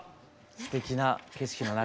すてきな景色の中。